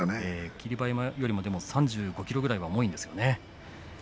霧馬山よりも３５ｋｇぐらい重いんですよね。